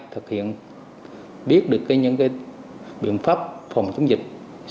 để biết được những biện pháp phòng chống dịch